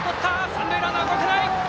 三塁ランナー動けない。